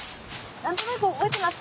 何となく覚えてます。